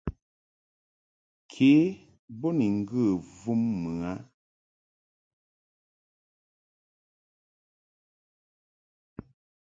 Ke bo ni ŋgə vum mɨ a.